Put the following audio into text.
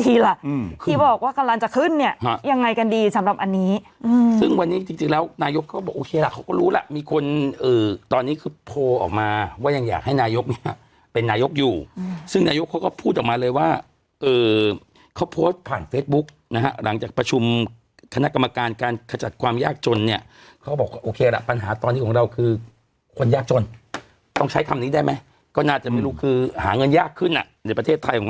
ที่บอกว่ากำลังจะขึ้นเนี่ยยังไงกันดีสำหรับอันนี้อืมซึ่งวันนี้จริงจริงแล้วนายกก็บอกโอเคล่ะเขาก็รู้ล่ะมีคนเออตอนนี้คือโพลออกมาว่ายังอยากให้นายกเนี่ยเป็นนายกอยู่อืมซึ่งนายกเขาก็พูดออกมาเลยว่าเออเขาโพสต์ผ่านเฟซบุ๊กนะฮะหลังจากประชุมคณะกรรมการการขจัดความยากจนเนี่ยเขาบอกโอเคล่ะปั